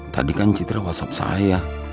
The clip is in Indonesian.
tadi kan citra whatsap saya